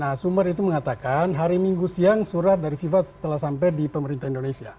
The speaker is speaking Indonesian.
nah sumber itu mengatakan hari minggu siang surat dari fifa telah sampai di pemerintah indonesia